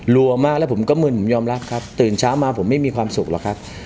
วัวมากแล้วผมก็มึนผมยอมรับครับตื่นเช้ามาผมไม่มีความสุขหรอกครับ